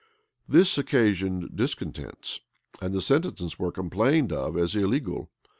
[] This occasioned discontents; and the sentences were complained of as illegal.